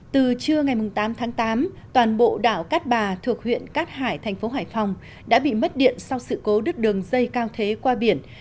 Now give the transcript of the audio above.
từ trưa ngày tám tháng tám toàn bộ đảo cát bà thuộc huyện cát hải thành phố hải phòng đã bị mất điện sau sự cố đứt đường dây cao thế qua biển